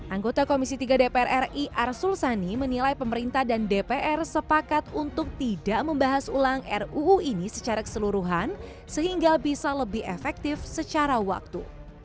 anggota komisi tiga dpr ri arsul sani menilai pemerintah dan dpr sepakat untuk tidak membahas ulang ruu ini secara keseluruhan sehingga bisa lebih efektif secara waktu